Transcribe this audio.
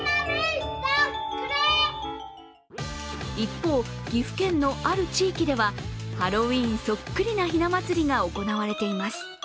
一方、岐阜県のある地域ではハロウィーンそっくりなひな祭りが行われています。